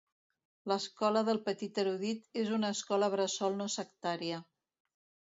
L'Escola del petit erudit és una escola bressol no sectària.